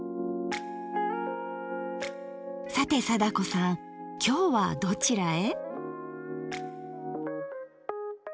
さて貞子さんきょうはどちらへ？